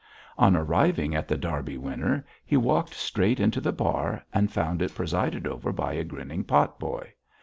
On arriving at The Derby Winner, he walked straight into the bar, and found it presided over by a grinning pot boy.